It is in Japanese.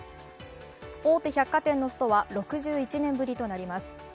大手百貨店のストは６１年ぶりとなります。